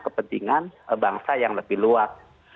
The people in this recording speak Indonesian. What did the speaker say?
kepentingan bangsa yang lebih luas